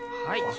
はい。